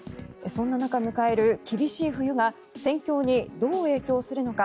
そんな中迎える厳しい冬が戦況にどう影響するのか。